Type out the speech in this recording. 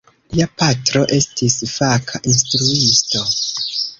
Lia patro estis faka instruisto.